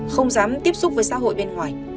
không dám tiếp xúc với xã hội bên ngoài